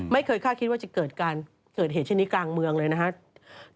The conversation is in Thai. ไม่เคยค่าคิดว่าจะเกิดเหตุเช่นนี้กลางเมืองเลยนะสวัสดีครับ